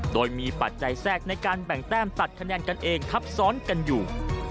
โดยมีปัจจัยแทรกในการแบ่งแต้มตัดคะแนนกันเองทับซ้อนกันอยู่